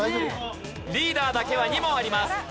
リーダーだけは２問あります。